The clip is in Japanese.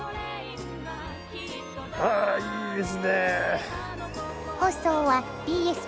ああいいですね。